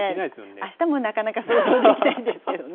あしたもなかなか想像できないんですけどね。